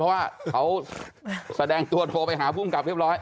เพราะว่าเขาแสดงจวดโฟไปหาผู้กลับเรียบร้อย